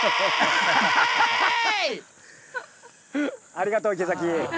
ありがとう池崎。